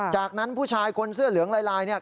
จากนั้นผู้ชายคนเสื้อเหลืองลายเนี่ย